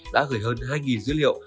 đã gửi hơn hai dữ liệu